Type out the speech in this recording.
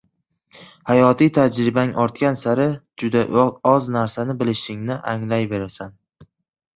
Hayotiy tajribang ortgani sayin juda oz narsani bilishingni anglayverasan.